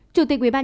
chủ tịch ubnd